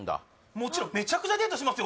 もちろんめちゃくちゃデートしますよ